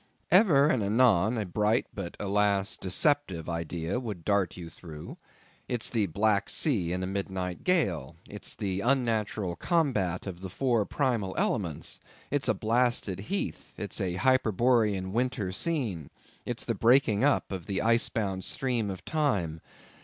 Ever and anon a bright, but, alas, deceptive idea would dart you through.—It's the Black Sea in a midnight gale.—It's the unnatural combat of the four primal elements.—It's a blasted heath.—It's a Hyperborean winter scene.—It's the breaking up of the icebound stream of Time.